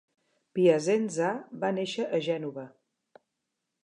Piacenza va néixer a Gènova.